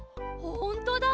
ほんとだ！